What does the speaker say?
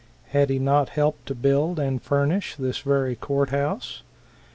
Had he not helped to build and furnish this very Court House?